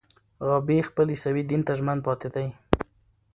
غابي خپل عیسوي دین ته ژمن پاتې دی.